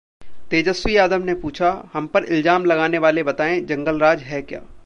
तेजस्वी यादव ने पूछा- हम पर इल्जाम लगाने वाले बताएं 'जंगल राज' है क्या?